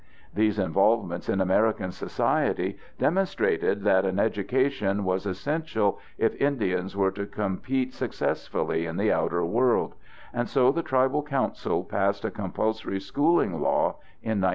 These involvements in American society demonstrated that an education was essential if Indians were to compete successfully in the outer world, and so the tribal council passed a compulsory schooling law in 1947.